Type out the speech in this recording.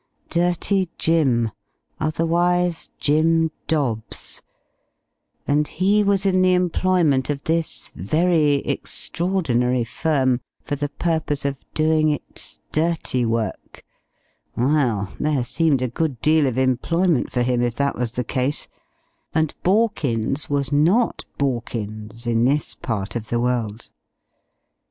"Dirty Jim," otherwise Jim Dobbs. And he was in the employment of this very extraordinary firm for the purpose of doing its "dirty work." Well, there seemed a good deal of employment for him, if that was the case. And Borkins was not Borkins in this part of the world.